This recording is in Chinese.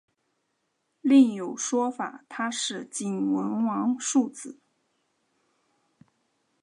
另有说法他是景文王庶子。